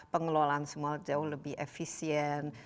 pengelolaan semua jauh lebih efisien